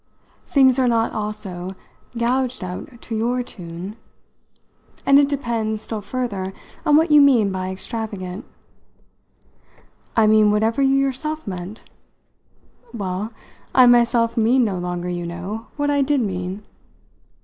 Things are not, also, gouged out to your tune, and it depends, still further, on what you mean by 'extravagant.'" "I mean whatever you yourself meant." "Well, I myself mean no longer, you know, what I did mean."